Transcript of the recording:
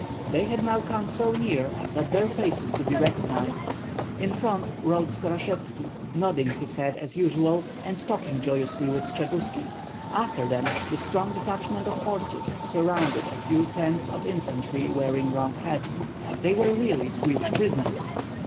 They had now come so near that their faces could be recognized. In front rode Skorashevski, nodding his head as usual and talking joyously with Skshetuski; after them the strong detachment of horse surrounded a few tens of infantry wearing round hats. They were really Swedish prisoners.